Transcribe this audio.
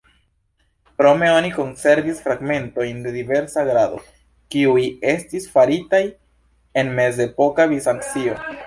Krome, oni konservis fragmentojn de diversa grando, kiuj estis faritaj en mezepoka Bizancio.